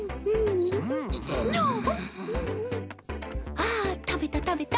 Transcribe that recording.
ああ食べた食べた。